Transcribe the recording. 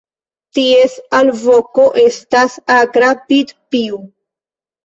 Ties alvoko estas akra "pit-piu".